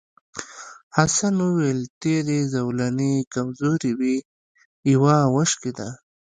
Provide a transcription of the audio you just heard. حسن وویل تېرې زولنې کمزورې وې یوه وشکېده.